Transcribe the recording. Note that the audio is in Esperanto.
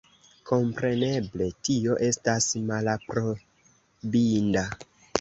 Kompreneble tio estas malaprobinda.